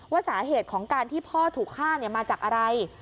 สาเหตุของการที่พ่อถูกฆ่ามาจากอะไร